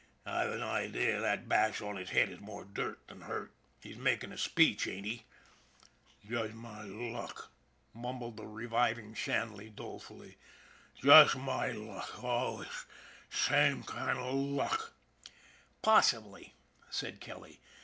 " I've an idea that bash on the head is more dirt than hurt. He's making a speech, ain't he ?"" Jus' my luck," mumbled the reviving Shanley dole fully. " Jus' my luck. Allus same kind of luck." " Possibly," said Kelly.